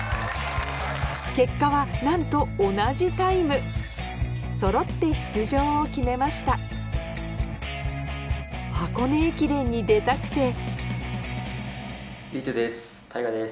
結果はなんと同じタイムそろって出場を決めました箱根駅伝に出たくて唯翔です。